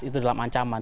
itu dalam ancaman